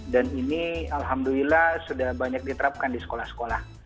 dan ini alhamdulillah sudah banyak diterapkan di sekolah sekolah